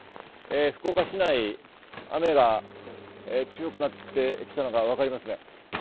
福岡市内、雨が強くなってきたのがわかります。